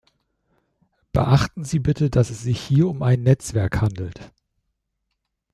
Beachten Sie bitte, dass es sich hier um ein Netzwerk handelt.